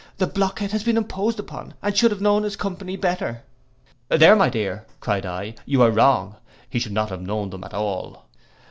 The blockhead has been imposed upon, and should have known his company better.'—'There, my dear,' cried I, 'you are wrong, he should not have known them at all.